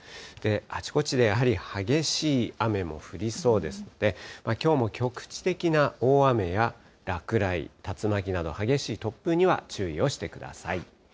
あちこちでやはり激しい雨も降りそうですので、きょうも局地的な大雨や落雷、竜巻など激しい突風には注意をしてください。